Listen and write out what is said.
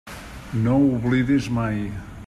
No ho oblidis mai.